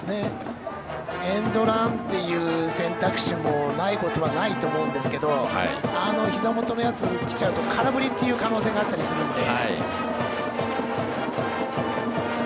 エンドランという選択肢もないことはないと思うんですけどあのひざ元のやつがきちゃうと空振りの可能性があるので。